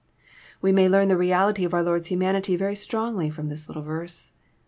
We may learn the reality of our Lord's humanity very strongly from this little verse.